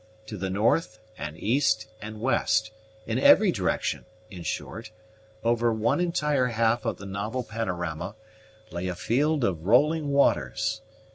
To the north, and east, and west, in every direction, in short, over one entire half of the novel panorama, lay a field of rolling waters.